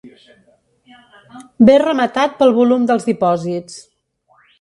Ve rematat pel volum dels dipòsits.